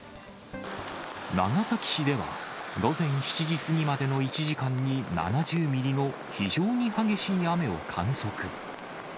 長崎市では、午前７時過ぎまでの１時間に７０ミリの非常に激しい雨を観測。